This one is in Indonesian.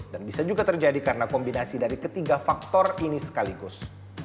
dan bisa juga terjadi karena kombinasi dari ketiga faktor ini sekaligus